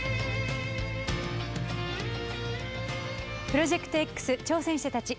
「プロジェクトＸ挑戦者たち」。